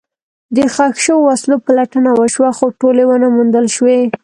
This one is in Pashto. د ښخ شوو وسلو پلټنه وشوه، خو ټولې ونه موندل شوې.